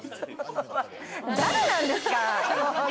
誰なんですか？